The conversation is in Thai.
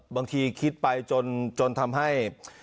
บางทีคิดไปจนทำให้